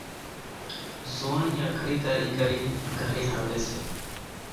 زوئاڻيا خريداري ڪرين گھرين آوي سي